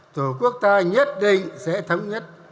tổ quốc ta nhất định sẽ thống nhất